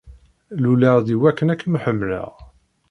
Luleɣ-d i wakken ad kem-ḥemmleɣ.